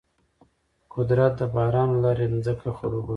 قدرت د باران له لارې ځمکه خړوبوي.